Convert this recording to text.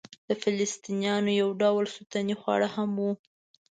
د فلسطنیانو یو ډول سنتي خواړه هم وو.